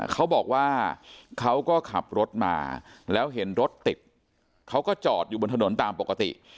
เขาบอกว่าเขาก็ขับรถมาแล้วเห็นรถติดเขาก็จอดอยู่บนถนนตามปกติ